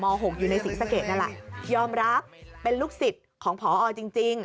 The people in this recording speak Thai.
๖อยู่ในศรีสะเกดนั่นแหละยอมรับเป็นลูกศิษย์ของพอจริง